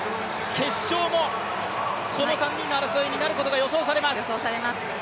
決勝もこの３人の争いになることが予想されます。